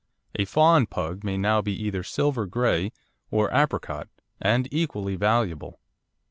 A "fawn" Pug may now be either silver grey or apricot, and equally valuable.